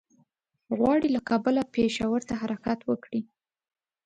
غواړي له کابله پېښور ته حرکت وکړي.